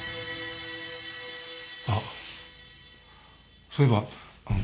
あっそういえば。